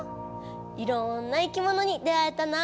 いろんないきものに出会えたな。